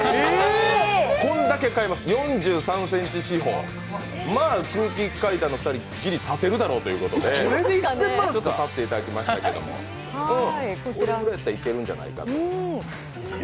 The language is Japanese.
こんだけ買えます、４３センチ四方まあ空気階段のお二人、ギリ立てるだろうということで立っていただきましたけどこれぐらいやったらいけるんじゃないかと。